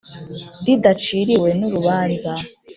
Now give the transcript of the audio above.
Ridaciriwe n’urubanza